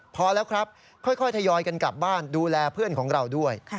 พอแล้วครับค่อยทยอยกันกลับบ้านดูแลเพื่อนของเราด้วย